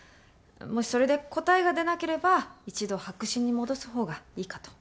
もしそれで答えが出なければ１度白紙に戻すほうがいいかと。